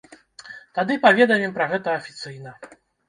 Тады паведамім пра гэта афіцыйна.